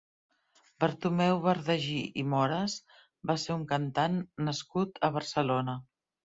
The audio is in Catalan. Bartomeu Bardagí i Moras va ser un cantant nascut a Barcelona.